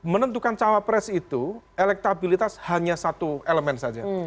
menentukan cawapres itu elektabilitas hanya satu elemen saja